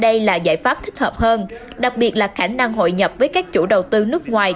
đây là giải pháp thích hợp hơn đặc biệt là khả năng hội nhập với các chủ đầu tư nước ngoài